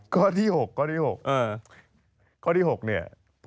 ข้อที่๖